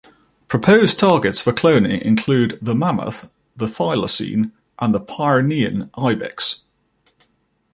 Proposed targets for cloning include the mammoth, the thylacine, and the Pyrenean ibex.